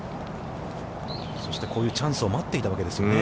そしてこういうチャンスを待っていたわけですよね。